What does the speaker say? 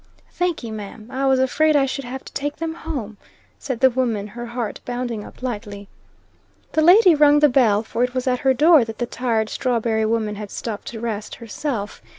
"Thanky, ma'am. I was afraid I should have to take them home," said the woman, her heart bounding up lightly. The lady rung the bell, for it was at her door that the tired strawberry woman had stopped to rest herself.